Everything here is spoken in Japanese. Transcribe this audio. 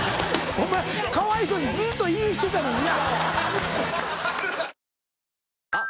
お前かわいそうにずっとイしてたのにな。